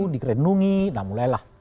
dikerenungi nah mulailah